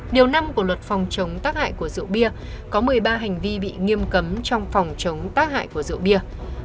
điều năm của luật phòng chống tác hại của rượu bia có một mươi ba hành vi bị nghiêm cấm trong phòng chống tác hại của rượu bia